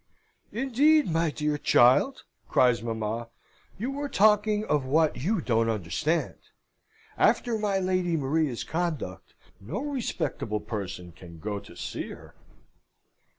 "Indeed, my dear child," cries mamma, "you are talking of what you don't understand. After my Lady Maria's conduct, no respectable person can go to see her."